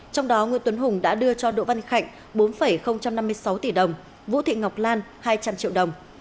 trong đó nguyễn tuấn hùng đã đưa cho đỗ văn khạnh bốn năm mươi sáu tỷ đồng vũ thị ngọc lan hai trăm linh triệu đồng